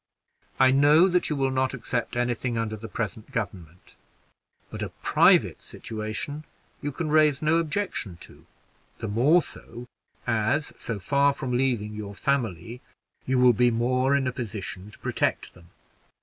I know that you will not accept any thing under the present government; but a private situation you can raise no objection to; the more so as, so far from leaving your family, you will be more in a position to protect them.